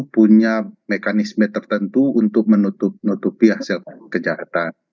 yang punya mekanisme tertentu untuk menutupi hasil kejahatan